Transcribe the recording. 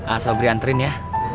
ah sobri anterin ya